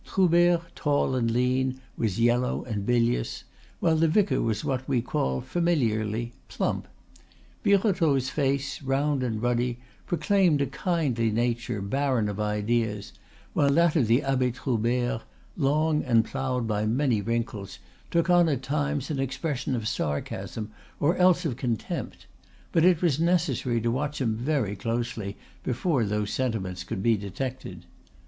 Troubert, tall and lean, was yellow and bilious, while the vicar was what we call, familiarly, plump. Birotteau's face, round and ruddy, proclaimed a kindly nature barren of ideas, while that of the Abbe Troubert, long and ploughed by many wrinkles, took on at times an expression of sarcasm, or else of contempt; but it was necessary to watch him very closely before those sentiments could be detected.